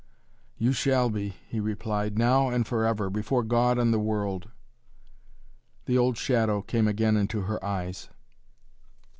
"You shall be," he replied, "now and forever, before God and the world!" The old shadow came again into her eyes.